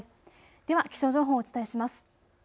では気象情報、お伝えします。